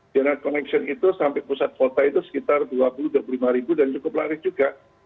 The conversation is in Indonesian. gr connection itu sampai pusat kota itu sekitar rp dua puluh dua puluh lima dan cukup laris juga